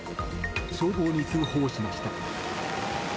消防に通報しました。